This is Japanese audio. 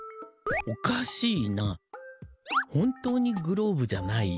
おかしいなほんとうにグローブじゃない？